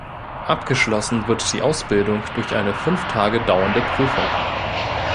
Abgeschlossen wird die Ausbildung durch eine fünf Tage dauernde Prüfung.